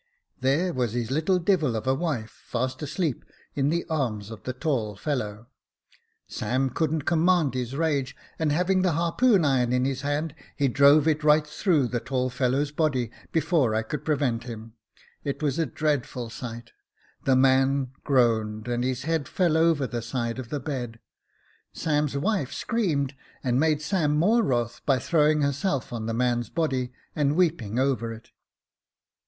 There was his little devil of a wife, fast asleep in the arms of the tall fellow. Sam couldn't command his rage, and having the harpoon iron in his hand, he drove it right through the tall fellow's body, before I could prevent him. It was a dreadful sight : the man groaned, and his head fell over the side of the bed. Sam's wife screamed, and made Sam more wroth by throwing herself on the man's body, and weeping over it.